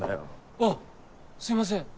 あっすいません。